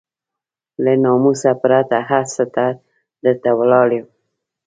له ناموسه پرته هر څه ته درته ولاړ يم.